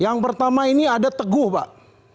yang pertama ini ada teguh pak